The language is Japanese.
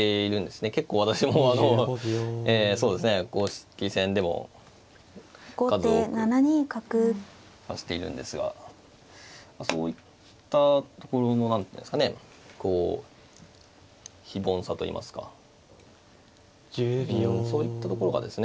結構私もそうですね公式戦でも数多く指しているんですがそういったところの何ていうんですかねこう非凡さといいますかそういったところがですね